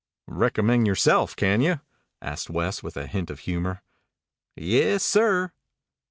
"Recommend yoreself, can you?" asked West with a hint of humor. "Yes, sir."